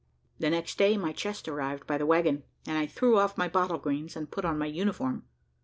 The next day my chest arrived by the waggon, and I threw off my "bottle greens" and put on my uniform.